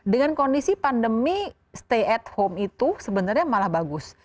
dengan kondisi pandemi stay at home itu sebenarnya malah bagus